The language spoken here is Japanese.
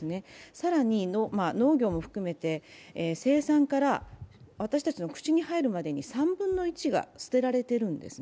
更に、農業も含めて生産から、私たちの口に入るまでに３分の１が捨てられているんですね。